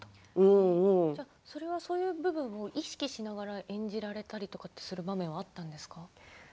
そういう部分を意識しながら演じられたりする場面も、あったんですか。